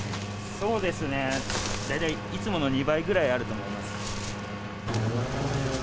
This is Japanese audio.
そうですね、大体いつもの２倍ぐらいあると思います。